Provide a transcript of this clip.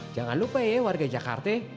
jangan lupa ya warga jakarta